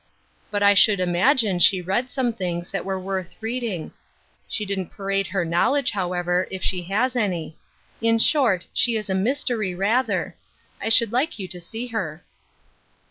But I should imagine she read some things that were worth reading. She didn't parade her knowledge, however, if she. has any. In short, she is a mystery, rather ; I should like you to see her."